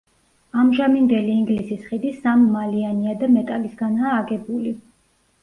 ამჟამინდელი ინგლისის ხიდი სამმალიანია და მეტალისგანაა აგებული.